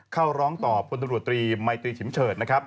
เข้าร้องตอบคนตบรวจตรีมัยตรีฉิมเฉิด